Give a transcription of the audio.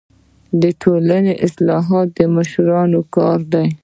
د ټولني اصلاحات د مشرانو کار دی.